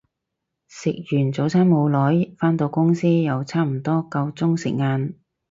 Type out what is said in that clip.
食完早餐冇耐，返到公司又差唔多夠鐘食晏